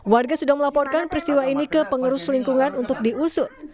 warga sudah melaporkan peristiwa ini ke pengurus lingkungan untuk diusut